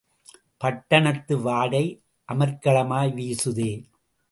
பட்டணத்து வாடை அமர்க்களமாய் வீசுதே?